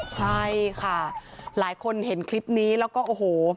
ใช่ค่ะหลายคนเห็นคลิปนี้แล้วก็โอ้โห